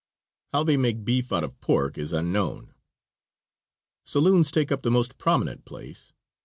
How they make beef out of pork is unknown. Saloons take up the most prominent place.